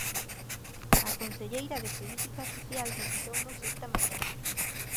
A conselleira de Política Social visitounos esta mañá.